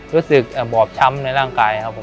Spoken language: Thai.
รู้สึกบอบช้ำในร่างกายครับผม